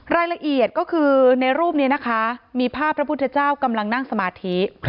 รายละเอียดก็คือในรูปนี้นะคะมีภาพพระพุทธเจ้ากำลังนั่งสมาธิ